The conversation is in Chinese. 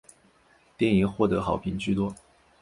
电影获得好评居多。